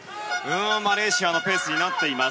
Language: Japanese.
マレーシアのペースになっています。